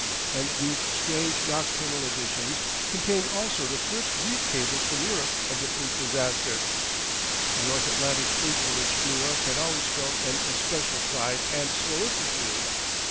And these strange nocturnal editions contained also the first brief cables from Europe of the fleet disaster, the North Atlantic fleet for which New York had always felt an especial pride and solicitude.